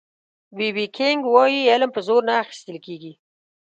بي بي کېنګ وایي علم په زور نه اخيستل کېږي